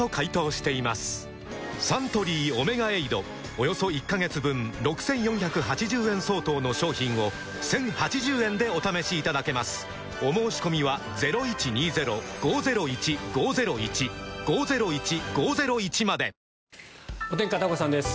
およそ１カ月分６４８０円相当の商品を１０８０円でお試しいただけますお申込みはお天気、片岡さんです。